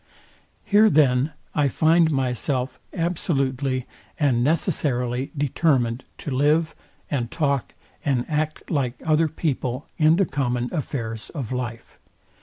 Here then I find myself absolutely and necessarily determined to live, and talk, and act like other people in the common affairs of life.